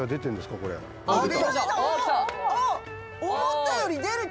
「思ったより出る！